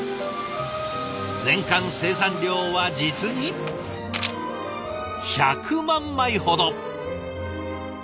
年間生産量は実に１００万枚ほど。